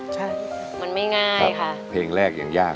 ใช่มันไม่ง่ายค่ะเพลงแรกยังยาก